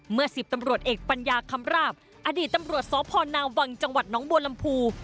เมื่อ๑๐ตำรวจเอกปัญญาคำราบอดีตตำรวจสพนาวังจังหวัดน้องบัวลำพู